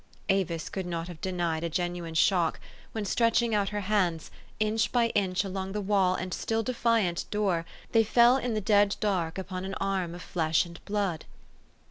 " Avis could not have denied a genuine shock, when, stretching out her hands, inch by inch along the wall and still defiant door, they fell in the dead dark upon an arm of flesh and blood.